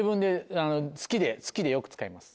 好きでよく使います。